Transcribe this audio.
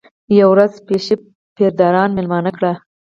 یوه ورځ بیشپ پیره داران مېلمانه کړل.